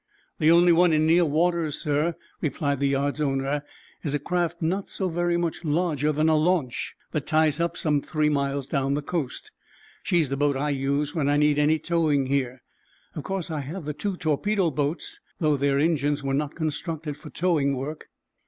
"The only one in near waters, sir," replied the yard's owner, "is a craft, not so very much larger than a launch, that ties up some three miles down the coast. She's the boat I use when I need any towing here. Of course, I have the two torpedo boats, though their engines were not constructed for towing work."